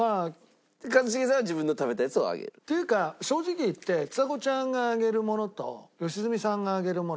一茂さんは自分の食べたいやつを上げる？というか正直言ってちさ子ちゃんが上げるものと良純さんが上げるもの